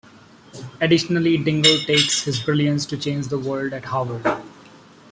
Additionally, Dingle takes his brilliance to change the world at Harvard.